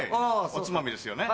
おつまみですよね？